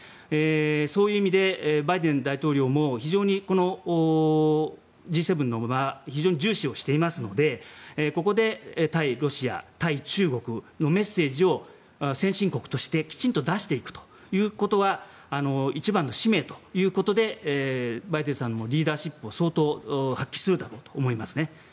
そういう意味でバイデン大統領も非常にこのＧ７の場非常に重視していますのでここで対ロシア対中国のメッセージを先進国としてきちんと出していくということは一番の使命ということでバイデンさんもリーダーシップを相当発揮するだろうと思います。